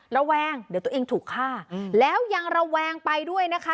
ระแวงเดี๋ยวตัวเองถูกฆ่าแล้วยังระแวงไปด้วยนะคะ